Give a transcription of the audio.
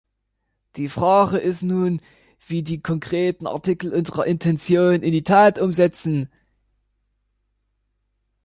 Die Frage ist nun, wie die konkreten Artikel unsere Intentionen in die Tat umsetzen.